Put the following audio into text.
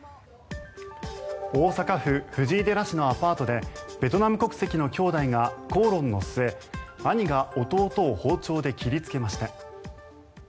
大阪府藤井寺市のアパートでベトナム国籍の兄弟が口論の末、兄が弟を包丁で切りつけました。